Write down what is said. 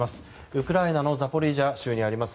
ウクライナのザポリージャ州にあります